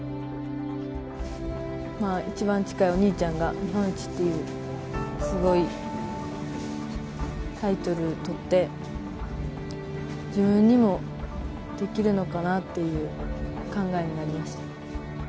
一番近いお兄ちゃんが日本一っていう、すごいタイトルとって、自分にもできるのかなっていう考えになりました。